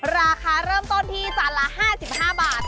ราคาเริ่มต้นที่จานละ๕๕บาท